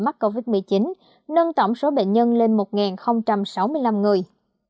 mắc covid một mươi chín nâng tổng số bệnh nhân lên một sáu mươi năm người